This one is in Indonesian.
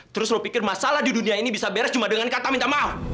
terus lo pikir masalah di dunia ini bisa beres cuma dengan kata minta maaf